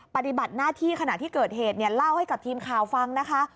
ปฏิบัติหน้าที่ขณะที่เกิดเหตุเนี่ยเล่าให้กับทีมข่าวฟังนะคะ